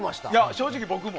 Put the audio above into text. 正直、僕も。